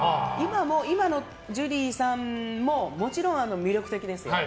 今のジュリーさんももちろん魅力的ですよ。